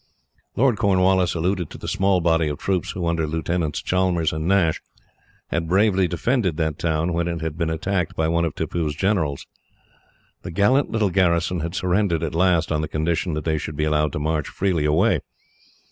Lord Cornwallis alluded to the small body of troops who, under Lieutenants Chalmers and Nash, had bravely defended that town when it had been attacked by one of Tippoo's generals. The gallant little garrison had surrendered at last, on the condition that they should be allowed to march freely away.